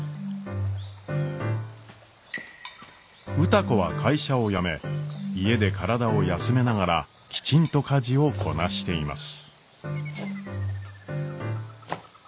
歌子は会社を辞め家で体を休めながらきちんと家事をこなしています。